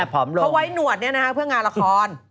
เพราะไว้หนวดเนี่ยนะเพื่องานละคร